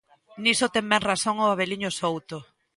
Niso ten ben razón o Abeliño Souto.